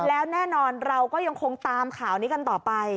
แล้วแน่นอนเราก็ยังคงตามข่าวนี้กันต่อไป